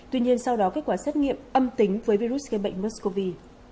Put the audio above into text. tuy nhiên sau đó kết quả xét nghiệm âm tính với virus gây bệnh muscov